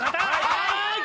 はい！